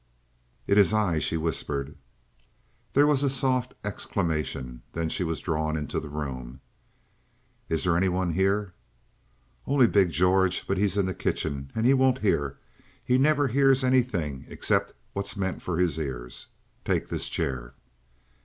"It is I," she whispered. There was a soft exclamation, then she was drawn into the room. "Is there anyone here?" "Only big George. But he's in the kitchen and he won't hear. He never hears anything except what's meant for his ear. Take this chair!"